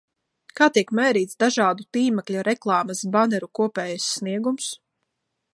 Kā tiek mērīts dažādu tīmekļa reklāmas baneru kopējais sniegums?